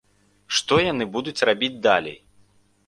Што яны будуць рабіць далей?